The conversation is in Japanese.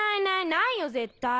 ないよ絶対。